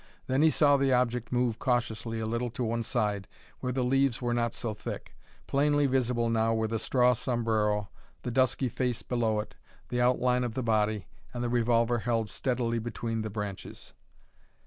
Then he saw the object move cautiously a little to one side, where the leaves were not so thick. Plainly visible now were the straw sombrero, the dusky face below it, the outline of the body, and the revolver held steadily between the branches.